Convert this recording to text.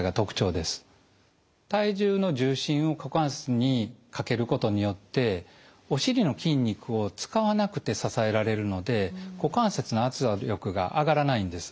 体重の重心を股関節にかけることによってお尻の筋肉を使わなくて支えられるので股関節の圧力が上がらないんです。